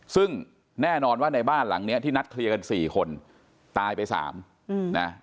ซึ่งแน่นอนว่าในบ้านหลังเนี้ยที่นัดเคลียร์กัน๔คนตายไป๓นะ